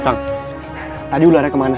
tang tadi ularnya kemana